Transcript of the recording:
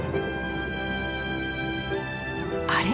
あれ？